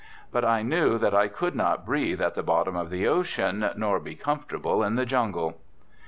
But I knew that I could not breathe at the bottom of the ocean, nor be comfortable in the jungle.